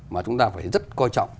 mà chúng ta phải rất coi trọng